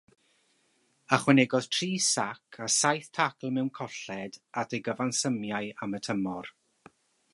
Ychwanegodd tri sac a saith tacl mewn colled at ei gyfansymiau am y tymor.